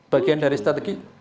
bagian dari strategi